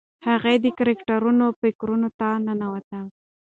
هغې د کرکټرونو فکرونو ته ننوتله.